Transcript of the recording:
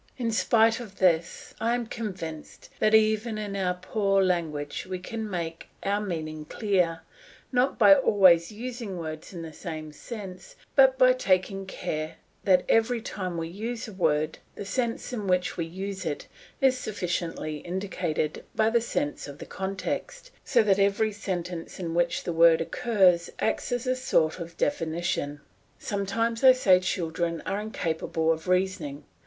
In spite of this I am convinced that even in our poor language we can make our meaning clear, not by always using words in the same sense, but by taking care that every time we use a word the sense in which we use it is sufficiently indicated by the sense of the context, so that each sentence in which the word occurs acts as a sort of definition. Sometimes I say children are incapable of reasoning.